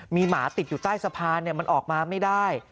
มีหมาติดอยู่ใต้สะพานมันออกมาไม่ได้